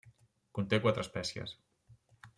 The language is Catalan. Conté quatre espècies.